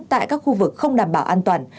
tại các khu vực không đảm bảo an toàn